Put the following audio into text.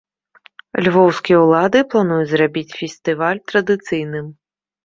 Львоўскія ўлады плануюць зрабіць фестываль традыцыйным.